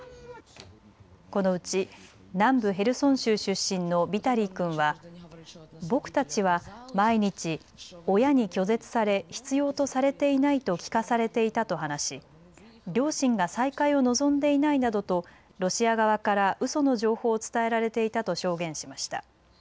このうち南部ヘルソン州出身のビタリー君は僕たちは毎日、親に拒絶され必要とされていないと聞かされていたと話し両親が再会を望んでいないなどとロシア側からうその情報を伝えられていたと証言しました。